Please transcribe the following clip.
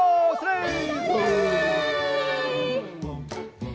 はい。